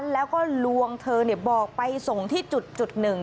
แล้วก็ลวงเธอบอกไปส่งที่จุดหนึ่ง